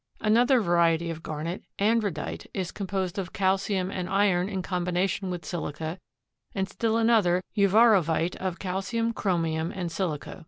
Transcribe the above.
Another variety of garnet, andradite, is composed of calcium and iron in combination with silica, and still another, uvarovite, of calcium, chromium and silica.